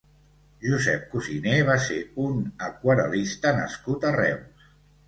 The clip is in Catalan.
Josep Cusiné va ser un aquarel·lista nascut a Reus.